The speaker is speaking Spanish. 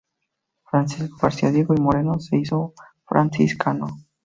Francisco García Diego y Moreno se hizo franciscano.